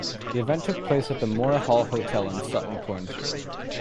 The event took place at The Moor Hall Hotel in Sutton Coldfield.